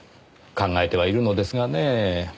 考えてはいるのですがねぇ。